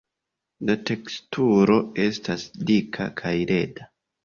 La teksturo estas dika kaj leda.